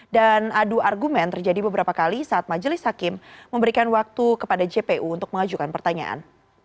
dan adu argumen terjadi beberapa kali saat majelis hakim memberikan waktu kepada jpu untuk mengajukan pertanyaan